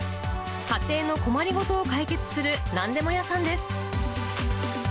家庭の困りごとを解決するなんでも屋さんです。